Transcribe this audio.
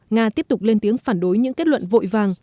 nga tiếp tục lên tiếng phản đối những kết luận vội vàng